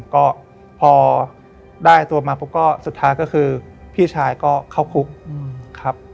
ก็พอได้ตัวมาสุดท้ายก็คือพี่ชายเข้าคุก